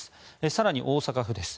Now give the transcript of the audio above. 更に、大阪府です。